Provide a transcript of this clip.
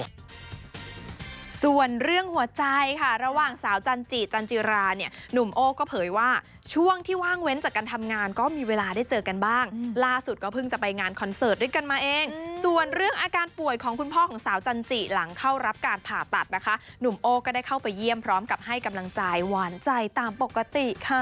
ส่วนเรื่องหัวใจค่ะระหว่างสาวจันจิจันจิราเนี่ยหนุ่มโอ้ก็เผยว่าช่วงที่ว่างเว้นจากการทำงานก็มีเวลาได้เจอกันบ้างล่าสุดก็เพิ่งจะไปงานคอนเสิร์ตด้วยกันมาเองส่วนเรื่องอาการป่วยของคุณพ่อของสาวจันจิหลังเข้ารับการผ่าตัดนะคะหนุ่มโอ้ก็ได้เข้าไปเยี่ยมพร้อมกับให้กำลังใจหวานใจตามปกติค่ะ